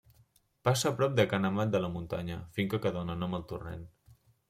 Passa a prop de Ca n'Amat de la Muntanya, finca que dóna nom al torrent.